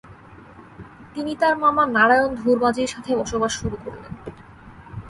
তিনি তার মামা নারায়ণ ধুরমাজীর সাথে বসবাস শুরু করলেন।